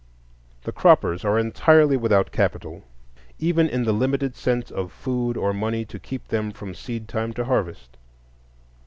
The croppers are entirely without capital, even in the limited sense of food or money to keep them from seed time to harvest.